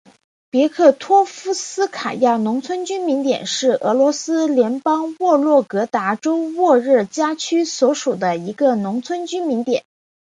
别克托夫斯卡亚农村居民点是俄罗斯联邦沃洛格达州沃热加区所属的一个农村居民点。